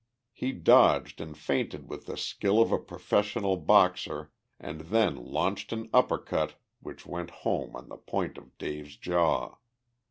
He dodged and feinted with the skill of a professional boxer, and then launched an uppercut which went home on the point of Dave's jaw.